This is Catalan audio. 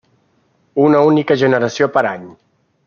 Una única generació per any.